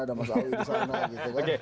ada mas awi disana gitu kan